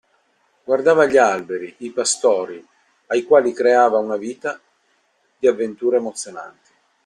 Guardava gli alberi, i pastori, ai quali creava una vita di avventure emozionanti.